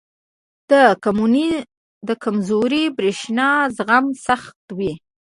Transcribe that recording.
• د کمزوري برېښنا زغم سخت وي.